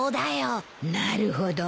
なるほど。